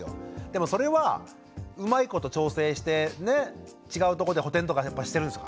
でもそれはうまいこと調整してね違うとこで補てんとかやっぱしてるんですか？